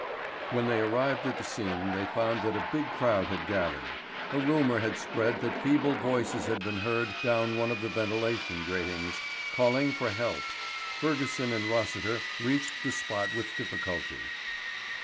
When they arrived at the scene they found that a big crowd had gathered. A rumour had spread that feeble voices had been heard down one of the ventilation gratings, calling for help. Fergusson and Rossiter reached the spot with difficulty.